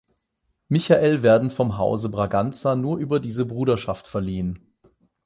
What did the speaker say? Michael werden vom Hause Braganza nur über diese Bruderschaft verliehen.